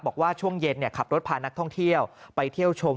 บอกว่าช่วงเย็นขับรถพานักท่องเที่ยวไปเที่ยวชม